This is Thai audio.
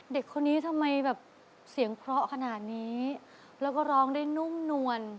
ตอนนี้ทำไมเสียงเคราะห์ขนาดนี้แล้วก็ร้องได้นุ่มนวล